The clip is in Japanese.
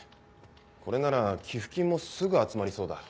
これなら寄付金もすぐ集まりそうだ。